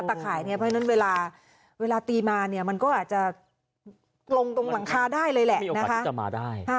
แต่ขายเนี่ยเพราะฉะนั้นเวลาเวลาตีมาเนี่ยมันก็อาจจะลงตรงหลังคาได้เลยแหละนะคะจะมาได้